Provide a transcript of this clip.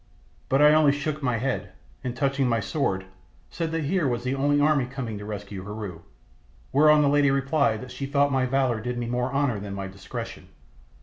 But I only shook my head, and, touching my sword, said that here was the only army coming to rescue Heru. Whereon the lady replied that she thought my valour did me more honour than my discretion.